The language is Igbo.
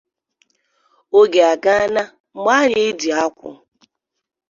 Oge agaana mgbe a na-eji akwụ